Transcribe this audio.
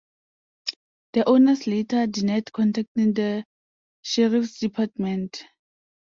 The owners later denied contacting the Sheriff's Department.